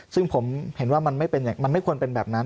ซึ่งผมเห็นว่ามันไม่ควรเป็นแบบนั้น